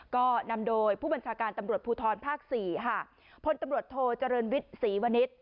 ก็นำโดยผู้บัญชาการตำรวจภูทรภาคสี่ค่ะพลตำรวจโทเจริญวิทย์ศรีวณิษฐ์